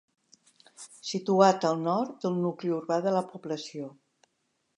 Situat al nord del nucli urbà de la població.